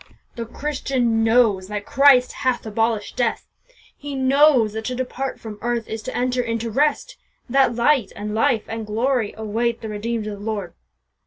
The Christian knows that Christ hath 'abolished death;' he knows that to depart from earth is to enter into rest; that light, and life, and glory await the redeemed of the Lord.